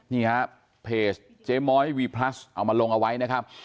นี่ฮะเพจเจ๊ม้อยวีพลัสเอามาลงเอาไว้นะครับ